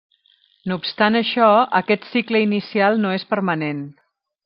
No obstant això, aquest cicle inicial no és permanent.